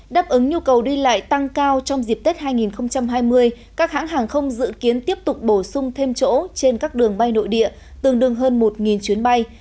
đáp ứng nhu cầu đi lại tăng cao trong dịp tết hai nghìn hai mươi các hãng hàng không dự kiến tiếp tục bổ sung thêm chỗ trên các đường bay nội địa tương đương hơn một chuyến bay